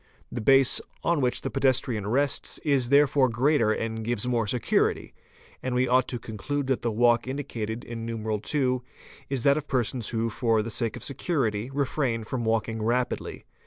The base on which the pedestrian rests is therefore greater and gives more socu rity and we ought to conclude that the walk indicated in IT. is that of persons who for the sake of security refrain from walking rapidly.